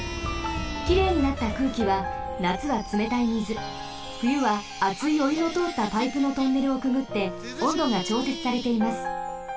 きれいになった空気はなつはつめたいみずふゆはあついおゆのとおったパイプのトンネルをくぐっておんどがちょうせつされています。